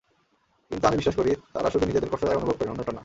কিন্তু আমি বিশ্বাস করি, তাঁরা শুধু নিজেদের কষ্টটাই অনুভব করেন, অন্যেরটা না।